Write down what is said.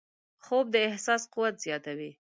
خوب د احساس قوت زیاتوي